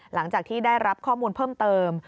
หลังจากที่ได้รับข้อมูลเพิ่มเติม